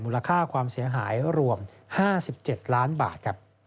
ราคาความเสียหายรวม๕๗ล้านบาท